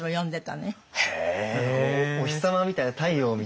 お日様みたいな太陽みたいな。